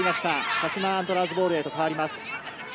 鹿島アントラーズボールへと変わります。